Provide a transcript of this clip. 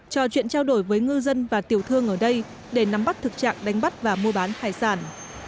trò chuyện trao đổi với ngư dân và tiểu thương ở đây để nắm bắt thực trạng đánh bắt và mua bán hải sản